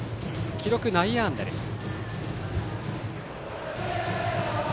記録は内野安打でした。